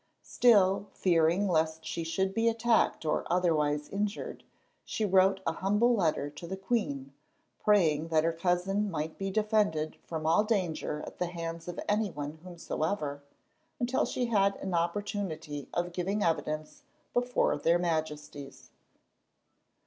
Still, fearing lest she should be attacked or otherwise injured, she wrote a humble letter to the queen, praying that her cousin might be defended from all danger at the hands of any one whomsoever until she had an opportunity of giving evidence before their Majesties.